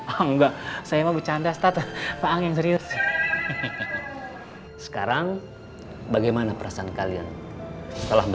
enggak saya mau bercanda state pak ang yang serius sekarang bagaimana perasaan kalian setelah